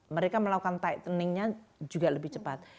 mereka melakukan tightening nya juga lebih cepat